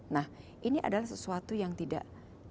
nah ini adalah sesuatu yang tidak